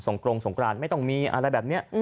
กรงสงกรานไม่ต้องมีอะไรแบบนี้